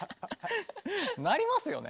なりますよね。